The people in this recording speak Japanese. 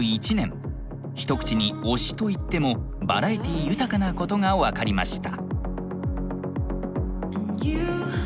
一口に「推し」と言ってもバラエティー豊かなことが分かりました。